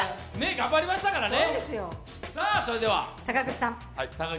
頑張りましたからね。